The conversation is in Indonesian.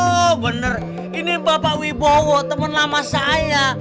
oh bener ini pak wibowo temen lama saya